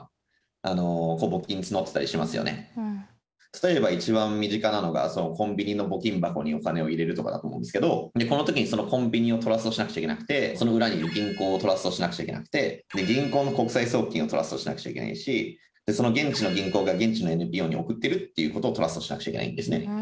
例えば一番身近なのがコンビニの募金箱にお金を入れるとかだと思うんですけどこの時にそのコンビニをトラストしなくちゃいけなくてその裏にいる銀行をトラストしなくちゃいけなくてで銀行の国際送金をトラストしなくちゃいけないしその現地の銀行が現地のＮＰＯに送ってるっていうことをトラストしなくちゃいけないんですね。